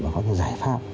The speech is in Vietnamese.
và có những giải pháp